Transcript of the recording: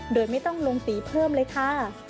โดยไม่ต้องลงสีเพิ่มเลยค่ะ